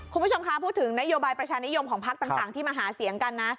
คุณผู้ชมคะพูดถึงนโยบายประชานิยมของพักต่างที่มาหาเสียงกันนะ